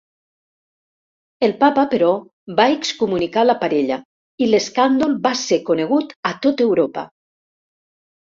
El Papa, però, va excomunicar la parella i l'escàndol va ser conegut a tot Europa.